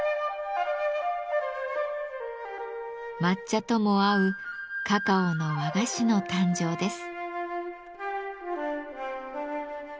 抹茶とも合うカカオの和菓子の誕生です。